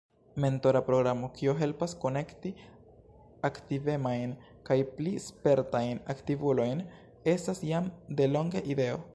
Mentora programo, kio helpas konekti aktivemajn kaj pli spertajn aktivulojn estas jam delonge ideo.